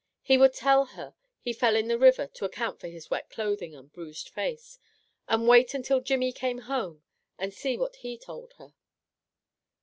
He would tell her he fell in the river to account for his wet clothing and bruised face, and wait until Jimmy came home and see what he told her.